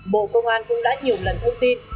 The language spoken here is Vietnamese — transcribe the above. bộ công an cũng đã nhiều lần thông tin